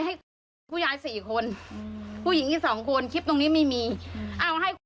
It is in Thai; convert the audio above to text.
ให้ผู้ยายสี่คนผู้หญิงอีกสองคนคลิปตรงนี้ไม่มีเอาให้